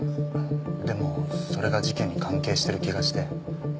でもそれが事件に関係してる気がして。